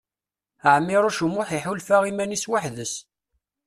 Ɛmiṛuc U Muḥ iḥulfa iman-is weḥd-s.